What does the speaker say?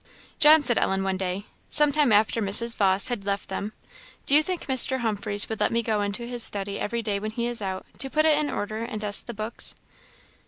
"John," said Ellen, one day, some time after Mrs. Vawse had left them, "do you think Mr. Humphreys would let me go into his study every day when he is out, to put it in order and dust the books?"